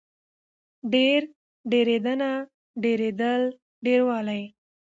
ډېر، ډېرېدنه، ډېرېدل، ډېروالی